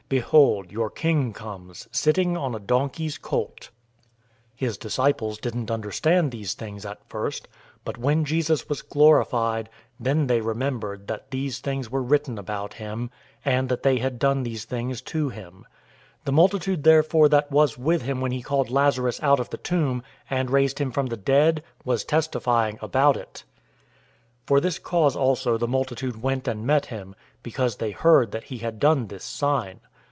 Behold, your King comes, sitting on a donkey's colt."{Zechariah 9:9} 012:016 His disciples didn't understand these things at first, but when Jesus was glorified, then they remembered that these things were written about him, and that they had done these things to him. 012:017 The multitude therefore that was with him when he called Lazarus out of the tomb, and raised him from the dead, was testifying about it. 012:018 For this cause also the multitude went and met him, because they heard that he had done this sign.